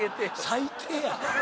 最低や。